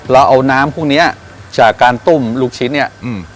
เราเอาน้ำพรุ่งนี้จากการต้มลูกชิ้นเนี่ย